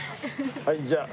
はいじゃあ。